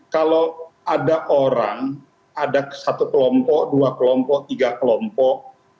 kalau ada orang ada satu kelompok dua kelompok tiga kelompok